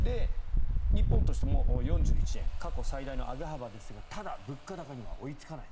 日本としても４１円過去最大の上げ幅ですがただ、物価高には追いつかない。